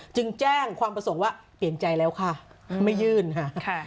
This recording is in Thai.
จึงแจ้งความประสงค์ว่าเปลี่ยนใจแล้วค่ะไม่ยื่นค่ะ